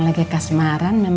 kalo gitu dede ke kamar dulu ya ma